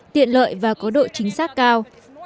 tiện lợi và có độ chính xác cao